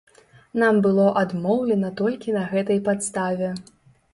Нам было адмоўлена толькі на гэтай падставе.